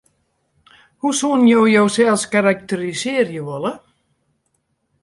Hoe soenen jo josels karakterisearje wolle?